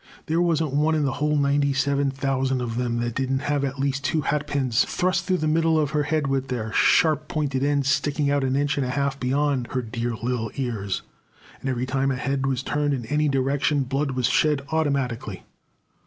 There wasn't one in the whole ninety seven thousand of them that didn't have at least two hatpins thrust through the middle of her head with their sharp pointed ends sticking out an inch and a half beyond her dear little ears; and every time a head was turned in any direction blood was shed automatically.